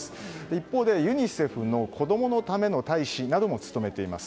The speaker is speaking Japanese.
一方、ユニセフの子供のための大使なども務めています。